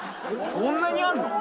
そんなにあんの？